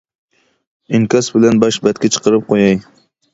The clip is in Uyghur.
ئىنكاس بىلەن باش بەتكە چىقىرىپ قوياي.